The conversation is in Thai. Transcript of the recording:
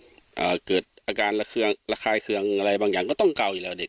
อ่าเกิดอาการระเคืองระคายเคืองอะไรบางอย่างก็ต้องเก่าอยู่แล้วเด็ก